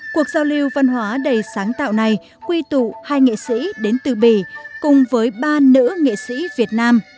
cuộc giao lưu văn hóa đầy sáng tạo này quy tụ hai nghệ sĩ đến từ bỉ cùng với ba nữ nghệ sĩ việt nam